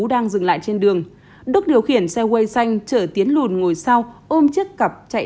đang dừng lại trên đường đức điều khiển xe way xanh chở tiến lùn ngồi sau ôm chiếc cặp chạy